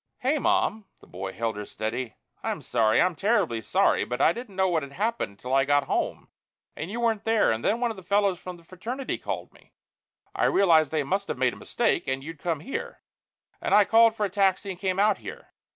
"Hey, Mom!" The boy held her steady. "I'm sorry. I'm terribly sorry. But I didn't know what had happened until I got home and you weren't there and then one of the fellows from the fraternity called me. I realized they must have made a mistake, and you'd come here, and I called for a taxi and came out here.